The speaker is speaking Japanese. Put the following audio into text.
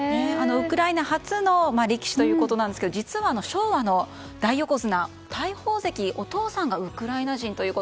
ウクライナ初の力士ということなんですが実は、昭和の大横綱・大鵬関のお父さんがウクライナ人と。